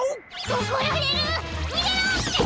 おこられる！にげろ！